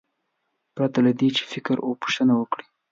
پرته له دې چې فکر او پوښتنه وکړي.